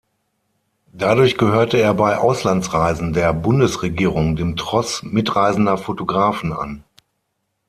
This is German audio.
Dadurch gehörte er bei Auslandsreisen der Bundesregierung dem Tross mitreisender Fotografen an.